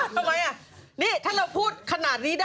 ทำไมอ่ะนี่ถ้าเราพูดขนาดนี้ได้